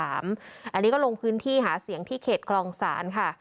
อันนี้ก็ลงพื้นที่หาเสียงที่เขตคลองศาลค่ะ